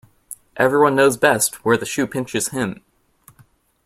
Everyone knows best where the shoe pinches him.